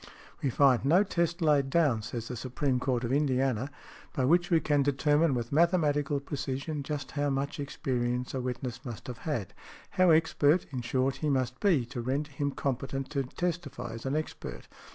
|114| "We find no test laid down," says the Supreme Court of Indiana, "by which we can determine with mathematical precision just how much experience a witness must have had, how expert, in short, he must be, to render him competent to testify as an expert."